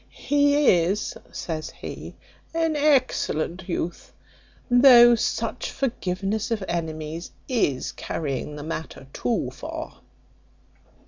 "He is," says he, "an excellent youth: though such forgiveness of enemies is carrying the matter too far."